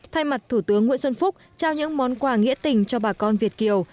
thay mặt thủ tướng nguyễn xuân phúc trao những món quà nghĩa tình cho bà con việt kiều